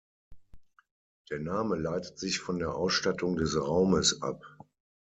Der Name leitet sich von der Ausstattung des Raumes ab.